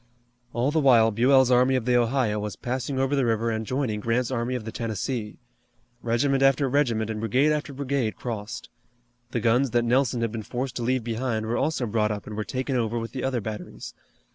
All the while Buell's army of the Ohio was passing over the river and joining Grant's army of the Tennessee. Regiment after regiment and brigade after brigade crossed. The guns that Nelson had been forced to leave behind were also brought up and were taken over with the other batteries.